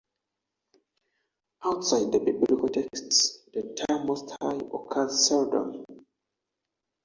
Outside of the Biblical texts the term "Most High" occurs seldom.